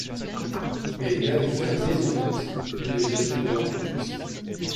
Mais il allait faire maison nette, il les jetterait dehors à coups de pied.